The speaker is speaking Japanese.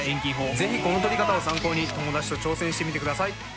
是非この撮り方を参考に友達と挑戦してみて下さい！